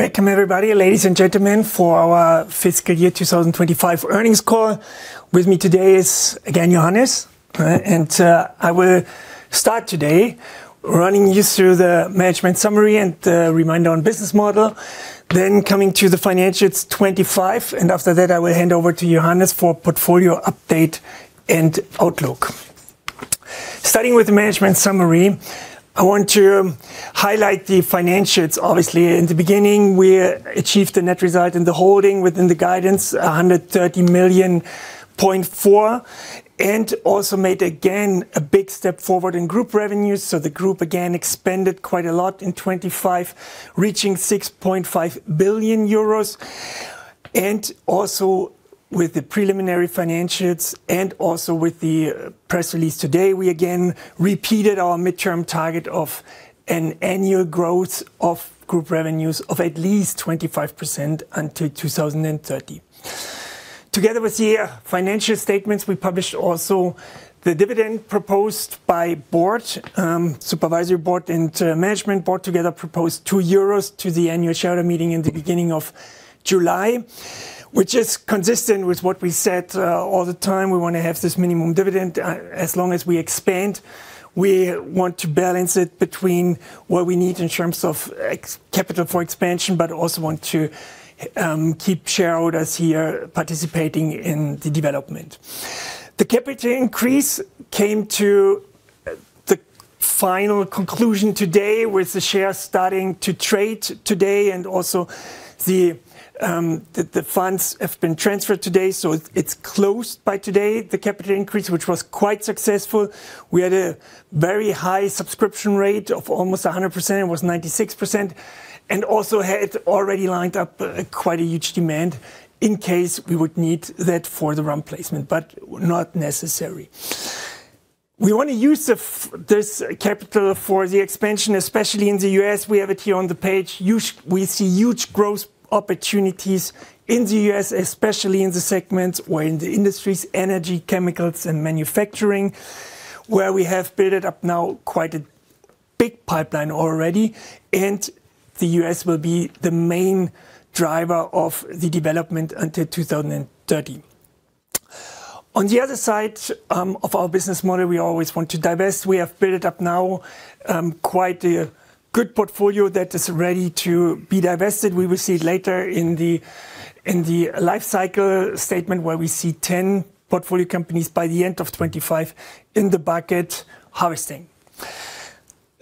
Welcome everybody, ladies and gentlemen, for our fiscal year 2025 earnings call. With me today is again, Johannes. I will start today running you through the management summary and reminder on business model. Coming to the financials 2025, after that I will hand over to Johannes for portfolio update and outlook. Starting with the management summary, I want to highlight the financials. Obviously, in the beginning, we achieved the net result in the holding within the guidance, 130.4 million, and also made again a big step forward in group revenues. The group again expanded quite a lot in 2025, reaching 6.5 billion euros. Also with the preliminary financials and also with the press release today, we again repeated our midterm target of an annual growth of group revenues of at least 25% until 2030. Together with the financial statements, we published also the dividend proposed by board, supervisory board and management board together proposed 2 euros to the annual shareholder meeting in the beginning of July, which is consistent with what we said all the time. We want to have this minimum dividend. As long as we expand, we want to balance it between what we need in terms of ex-capital for expansion, but also want to keep shareholders here participating in the development. The capital increase came to the final conclusion today with the shares starting to trade today. The funds have been transferred today, so it's closed by today, the capital increase, which was quite successful. We had a very high subscription rate of almost 100%. It was 96%. Had already lined up quite a huge demand in case we would need that for the ramp placement. Not necessary. We want to use this capital for the expansion, especially in the U.S. We have it here on the page. We see huge growth opportunities in the U.S., especially in the segments or in the industries, Energy, Chemicals, and manufacturing, where we have built up now quite a big pipeline already. The U.S. will be the main driver of the development until 2030. On the other side of our business model, we always want to divest. We have built up now quite a good portfolio that is ready to be divested. We will see later in the life cycle statement where we see 10 portfolio companies by the end of 2025 in the bucket harvesting.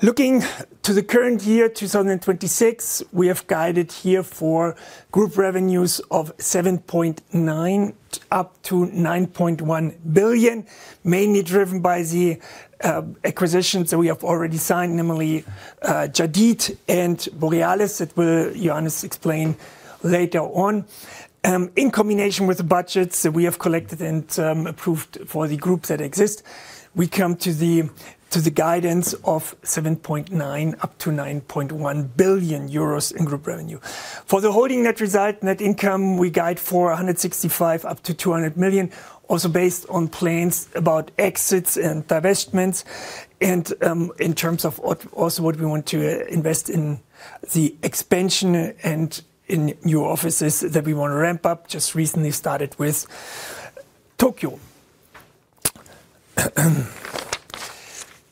Looking to the current year, 2026, we have guided here for group revenues of 7.9 billion-9.1 billion, mainly driven by the acquisitions that we have already signed, namely Jadeed and Borealis that will Johannes explain later on. In combination with the budgets that we have collected and approved for the groups that exist, we come to the guidance of 7.9 billion-9.1 billion euros in group revenue. For the holding net result, net income, we guide for 165 million-200 million, also based on plans about exits and divestments, and in terms of what we want to invest in the expansion and in new offices that we want to ramp up, just recently started with Tokyo.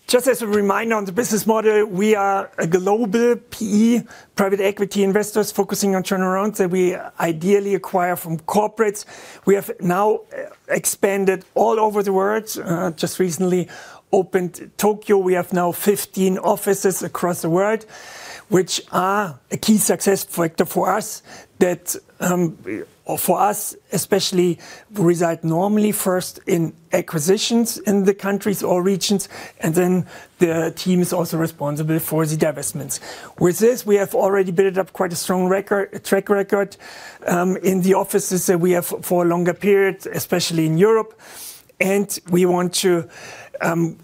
Just as a reminder on the business model, we are a global PE, private equity investors focusing on turnarounds that we ideally acquire from corporates. We have now expanded all over the world, just recently opened Tokyo. We have now 15 offices across the world, which are a key success factor for us that or for us especially reside normally first in acquisitions in the countries or regions, and then the team is also responsible for the divestments. With this, we have already built up quite a strong record, track record, in the offices that we have for longer periods, especially in Europe. We want to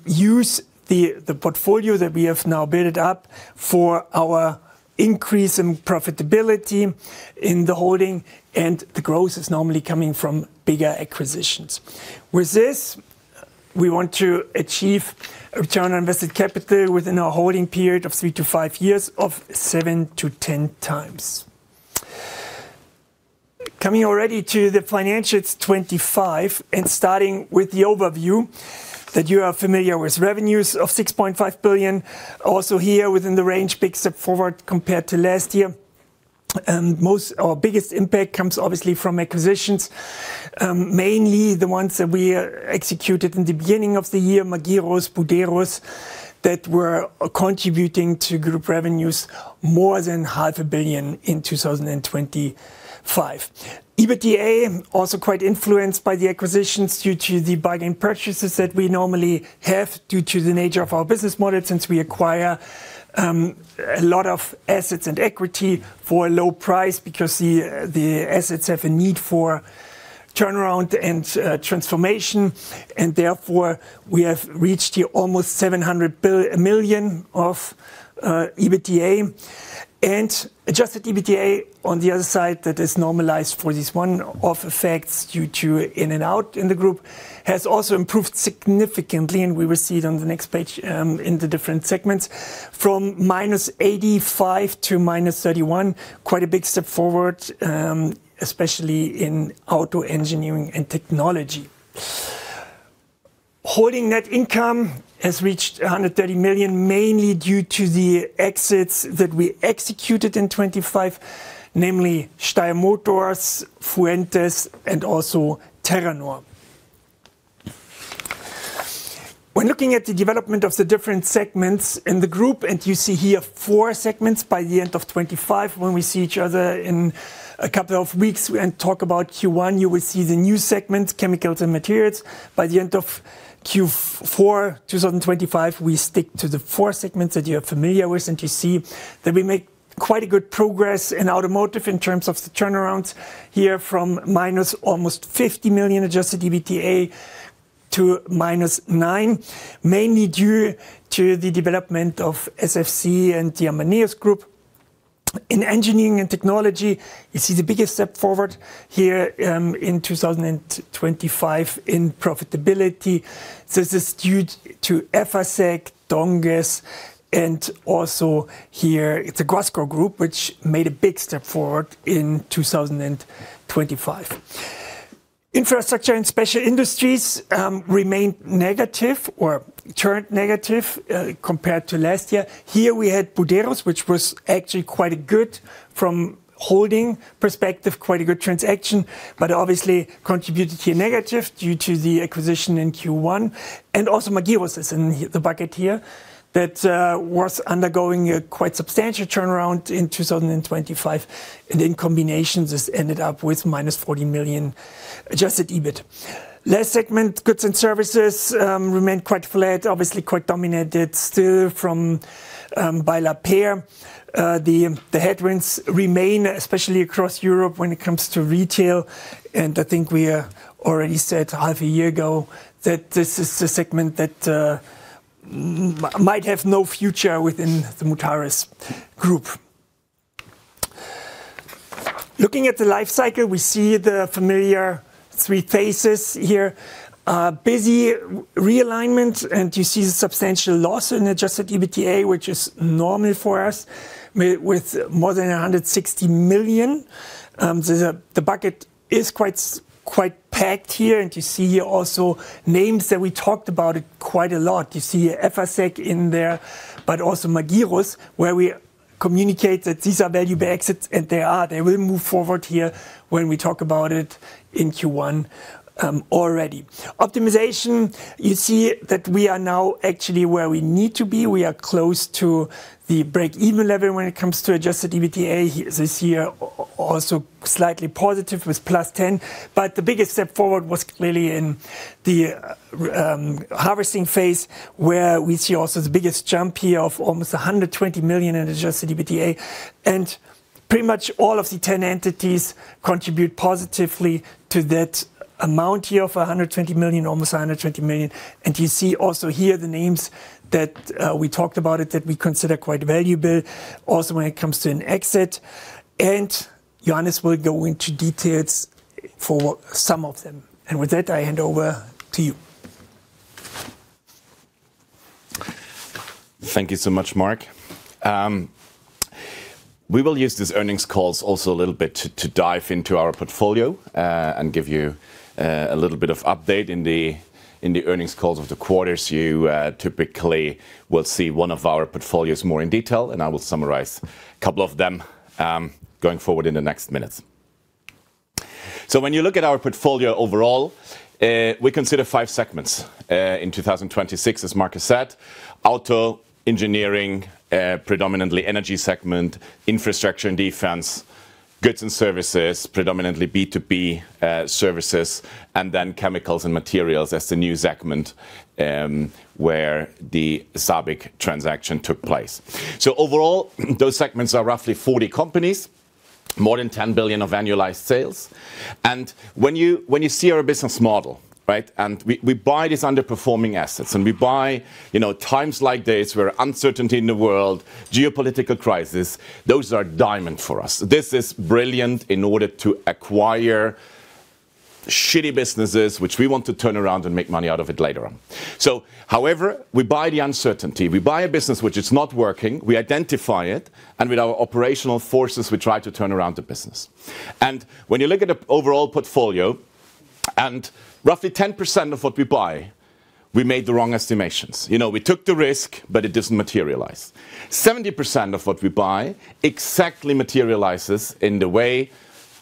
use the portfolio that we have now built up for our increase in profitability in the holding and the growth is normally coming from bigger acquisitions. With this, we want to achieve a Return on Invested Capital within a holding period of three to five years of 7x-10x. Coming already to the financials 2025 and starting with the overview that you are familiar with, revenues of 6.5 billion. Also, here within the range, big step forward compared to last year. Most or biggest impact comes obviously from acquisitions, mainly the ones that we executed in the beginning of the year, Magirus, Buderus, that were contributing to group revenues more than 500 million in 2025. EBITDA also quite influenced by the acquisitions due to the bargain purchases that we normally have due to the nature of our business model since we acquire a lot of assets and equity for a low price because the assets have a need for turnaround and transformation. Therefore, we have reached here almost 700 million of EBITDA. Adjusted EBITDA on the other side that is normalized for these one-off effects due to in and out in the group has also improved significantly, and we will see it on the next page in the different segments. From -85 to -31, quite a big step forward, especially in Auto engineering and technology. Holding net income has reached 130 million, mainly due to the exits that we executed in 2025, namely Steyr Motors, Fuentes, and also Terranor. When looking at the development of the different segments in the group, and you see here four segments by the end of 2025. When we see each other in a couple of weeks and talk about Q1, you will see the new segment, Chemicals and Materials. By the end of Q4 2025, we stick to the four segments that you are familiar with, and you see that we make quite a good progress in automotive in terms of the turnarounds here from -50 million Adjusted EBITDA to -9, mainly due to the development of SFC and the Amaneos Group. In engineering and technology, you see the biggest step forward here in 2025 in profitability. This is due to Efacec, Donges, and also here the Glascoat Group, which made a big step forward in 2025. Infrastructure and Special Industries remained negative or turned negative compared to last year. Here we had Buderus, which was actually quite a good from holding perspective, quite a good transaction, but obviously contributed here negative due to the acquisition in Q1. Also, Magirus is in the bucket here that was undergoing a quite substantial turnaround in 2025. In combination, this ended up with -40 million Adjusted EBIT. Last segment, Goods and Services, remained quite flat, obviously quite dominated still by Lapeyre. The headwinds remain, especially across Europe when it comes to retail. I think we already said half a year ago that this is the segment that might have no future within the Mutares Group. Looking at the life cycle, we see the familiar three phases here. Busy realignment, and you see the substantial loss in Adjusted EBITDA, which is normal for us. With more than 160 million, the bucket is quite packed here, and you see here also names that we talked about quite a lot. You see Efacec in there, but also Magirus, where we communicate that these are value-back exits, and they are. They will move forward here when we talk about it in Q1 already. Optimization, you see that we are now actually where we need to be. We are close to the break-even level when it comes to Adjusted EBITDA. This year also slightly positive with +10. The biggest step forward was clearly in the harvesting phase, where we see also the biggest jump here of almost 120 million in Adjusted EBITDA. Pretty much all of the 10 entities contribute positively to that amount here of 120 million, almost 120 million. You see also here the names that we talked about it, that we consider quite valuable also when it comes to an exit. Johannes will go into details for some of them. With that, I hand over to you. Thank you so much, Mark. We will use these earnings calls also a little bit to dive into our portfolio and give you a little bit of update. In the earnings calls of the quarters, you typically will see one of our portfolios more in detail, and I will summarize a couple of them going forward in the next minutes. When you look at our portfolio overall, we consider five segments in 2026, as Mark has said: Auto, engineering, predominantly energy segment, Infrastructure and Defense, goods and services, predominantly B2B services, and then Chemicals and Materials as the new segment where the SABIC transaction took place. Overall, those segments are roughly 40 companies, more than 10 billion of annualized sales. When you see our business model, right? We buy these underperforming assets, and we buy, you know, times like these where uncertainty in the world, geopolitical crisis, those are diamond for us. This is brilliant in order to acquire shitty businesses which we want to turn around and make money out of it later on. However, we buy the uncertainty. We buy a business which is not working, we identify it, and with our operational forces, we try to turn around the business. When you look at the overall portfolio, and roughly 10% of what we buy, we made the wrong estimations. You know, we took the risk, but it didn't materialize. 70% of what we buy exactly materializes in the way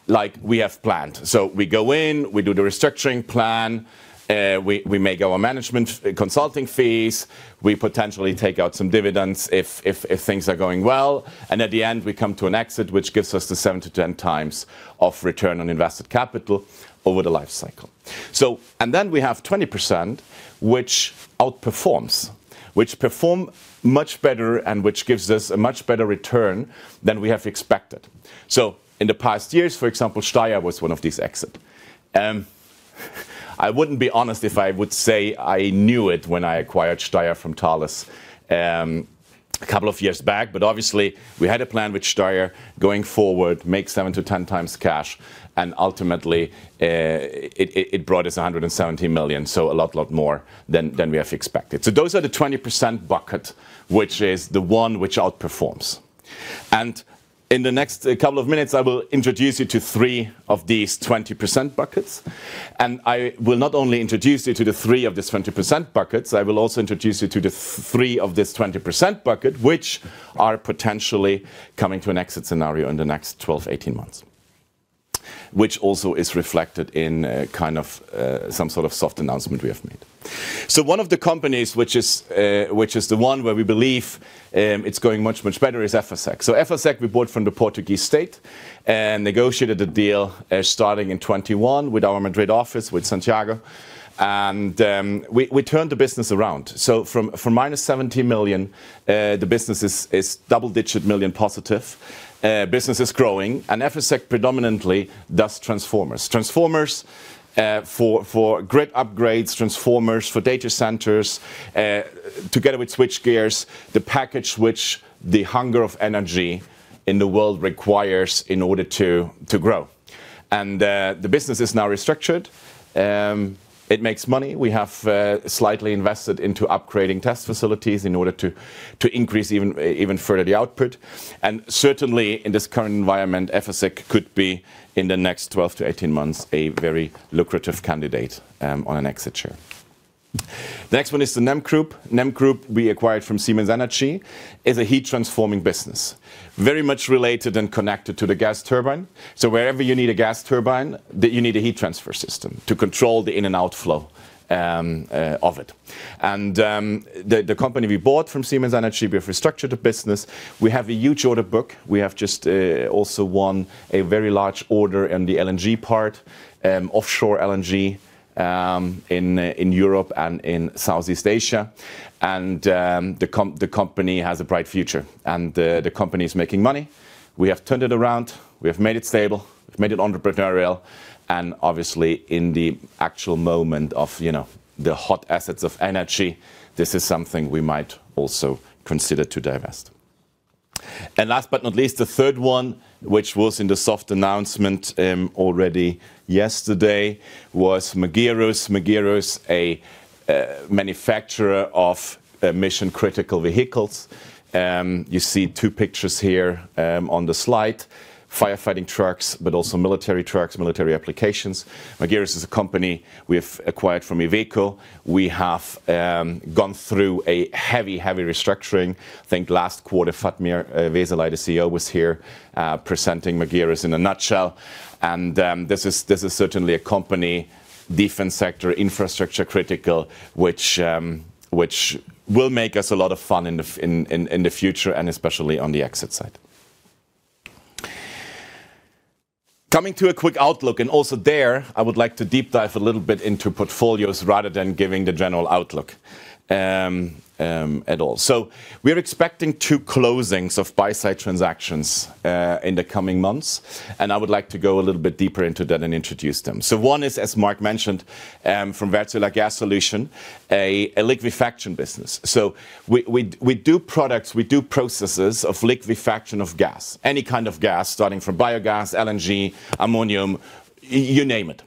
like we have planned. We go in, we do the restructuring plan, we make our management consulting fees. We potentially take out some dividends if things are going well. At the end, we come to an exit, which gives us the 7x-10x of Return on Invested Capital over the life cycle. We have 20%, which outperforms, which perform much better and which gives us a much better return than we have expected. In the past years, for example, Steyr was one of these exit. I wouldn't be honest if I would say I knew it when I acquired Steyr from Thales, a couple of years back. Obviously, we had a plan with Steyr going forward, make 7x-10x cash, and ultimately, it brought us 170 million, so a lot more than we have expected. Those are the 20% bucket, which is the one which outperforms. In the next couple of minutes, I will introduce you to three of these 20% buckets. I will not only introduce you to the three of these 20% buckets, I will also introduce you to the three of this 20% bucket, which are potentially coming to an exit scenario in the next 12-18 months. Which also is reflected in kind of some sort of soft announcement we have made. One of the companies, which is the one where we believe it's going much, much better, is Efacec. Efacec we bought from the Portuguese state and negotiated a deal starting in 2021 with our Madrid office, with Santiago. We turned the business around. From -70 million, the business is double-digit million positive. Business is growing. Efacec predominantly does transformers. Transformers for grid upgrades, transformers for data centers, together with switchgears, the package which the hunger of energy in the world requires in order to grow. The business is now restructured. It makes money. We have slightly invested into upgrading test facilities in order to increase even further the output. Certainly, in this current environment, Efacec could be, in the next 12-18 months, a very lucrative candidate on an exit share. The next one is the NEM Energy. NEM Energy we acquired from Siemens Energy, is a heat transforming business, very much related and connected to the gas turbine. Wherever you need a gas turbine, you need a heat transfer system to control the in and outflow of it. The company we bought from Siemens Energy, we have restructured the business. We have a huge order book. We have just also won a very large order in the LNG part, offshore LNG, in Europe and in Southeast Asia. The company has a bright future. The company is making money. We have turned it around. We have made it stable. We've made it entrepreneurial and obviously in the actual moment of, you know, the hot assets of energy, this is something we might also consider to divest. Last but not least, the third one, which was in the soft announcement already yesterday, was Magirus. Magirus, a manufacturer of mission-critical vehicles. You see two pictures here on the slide. Firefighting trucks, also military trucks, military applications. Magirus is a company we have acquired from Iveco. We have gone through a heavy restructuring. I think last quarter, Fatmir Veseli, the CEO, was here presenting Magirus in a nutshell. This is certainly a company, defense sector, infrastructure critical, which will make us a lot of fun in the future and especially on the exit side. Coming to a quick outlook, also there, I would like to deep dive a little bit into portfolios rather than giving the general outlook at all. We are expecting two closings of buy-side transactions in the coming months. I would like to go a little bit deeper into that and introduce them. One is, as Mark mentioned, from Wärtsilä Gas Solutions, a liquefaction business. We do products, we do processes of liquefaction of gas, any kind of gas, starting from biogas, LNG, ammonium, you name it.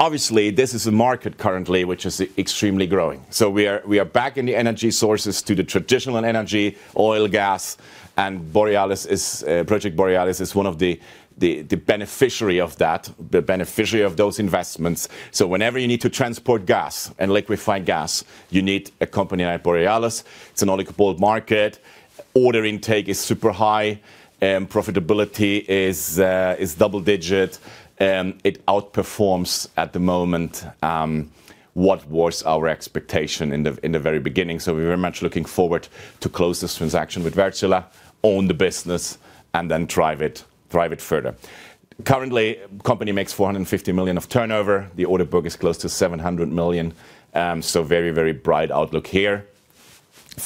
Obviously, this is a market currently which is extremely growing. We are back in the energy sources to the traditional energy, oil, gas, and Borealis is Project Borealis is one of the beneficiary of that, the beneficiary of those investments. Whenever you need to transport gas and liquefy gas, you need a company like Borealis. It's an oligopoly market. Order intake is super high. Profitability is double digit. It outperforms at the moment, what was our expectation in the very beginning. We're very much looking forward to close this transaction with Wärtsilä, own the business, and then drive it further. Currently, company makes 450 million of turnover. The order book is close to 700 million. Very, very bright outlook here,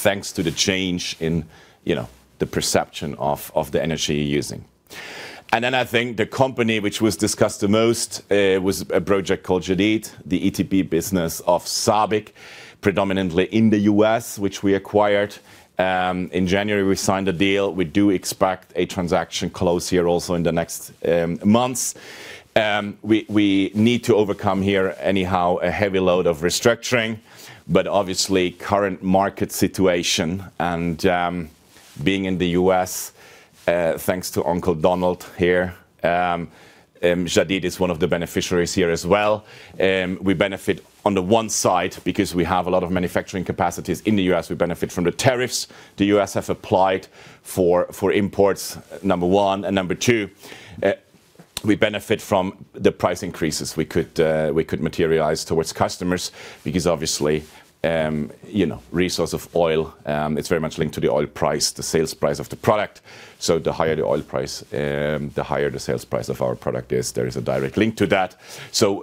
thanks to the change in, you know, the perception of the energy you're using. I think the company which was discussed the most, was a project called Jadeed, the ETP business of SABIC, predominantly in the U.S., which we acquired in January. We signed a deal. We do expect a transaction close here also in the next months. We need to overcome here anyhow a heavy load of restructuring, but obviously current market situation and, being in the U.S., thanks to Uncle Donald here, Jadeed is one of the beneficiaries here as well. We benefit on the one side because we have a lot of manufacturing capacities in the U.S. We benefit from the tariffs the U.S. have applied for imports, number one, and number two, we benefit from the price increases we could materialize towards customers because obviously, you know, resource of oil, it's very much linked to the oil price, the sales price of the product. The higher the oil price, the higher the sales price of our product is. There is a direct link to that.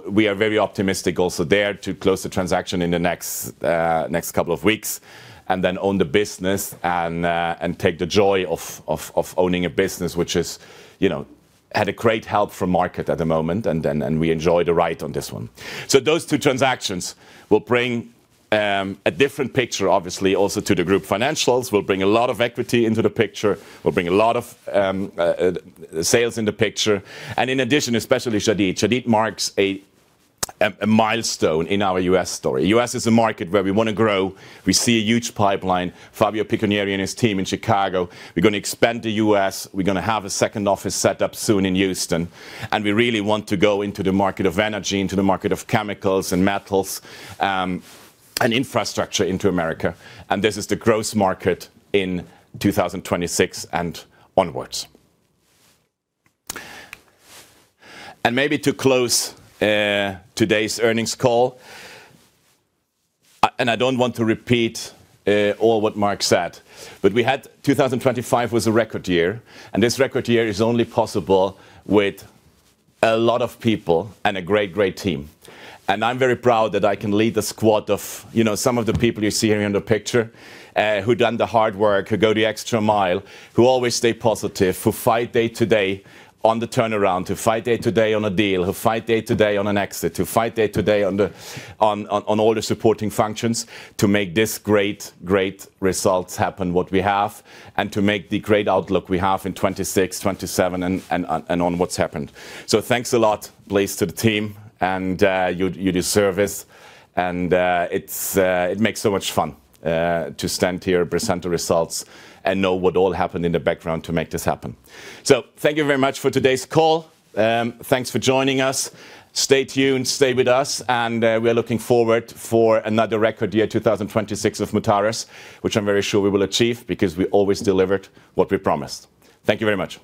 We are very optimistic also there to close the transaction in the next couple of weeks and then own the business and take the joy of owning a business which is, you know, had a great help from market at the moment and we enjoy the ride on this one. Those two transactions will bring a different picture, obviously, also to the group financials. We'll bring a lot of equity into the picture. We'll bring a lot of sales in the picture. In addition, especially Jadeed. Jadeed marks a milestone in our U.S. story. U.S. is a market where we want to grow. We see a huge pipeline. Fabio Piccioni and his team in Chicago. We're gonna expand to U.S. We're gonna have a second office set up soon in Houston, and we really want to go into the market of Energy, into the market of Chemicals and Materials, and Infrastructure into America. This is the growth market in 2026 and onwards. Maybe to close today's earnings call, and I don't want to repeat all what Mark said, but we had 2025 was a record year, and this record year is only possible with a lot of people and a great team. I'm very proud that I can lead the squad of, you know, some of the people you see here in the picture, who done the hard work, who go the extra mile, who always stay positive, who fight day to day on the turnaround, who fight day to day on a deal, who fight day to day on an exit, who fight day to day on all the supporting functions to make this great results happen what we have and to make the great outlook we have in 2026, 2027 and on, and on what's happened. Thanks a lot. Please to the team and you deserve this. It makes so much fun to stand here, present the results and know what all happened in the background to make this happen. Thank you very much for today's call. Thanks for joining us. Stay tuned. Stay with us. We're looking forward for another record year, 2026 of Mutares, which I'm very sure we will achieve because we always delivered what we promised. Thank you very much.